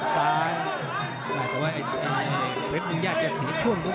แต่ว่าไอ้เทปบุญญาจะเสียช่วงตรงนี้